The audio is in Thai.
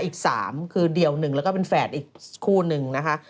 อีก๓คือเดี่ยวหนึ่งแล้วก็เป็นแฝดอีกคู่นึงนะคะ